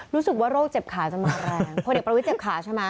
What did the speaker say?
รู้สึกว่าโรคเจ็บขาจะมาแรงพลเอกประวิทยเจ็บขาใช่ไหม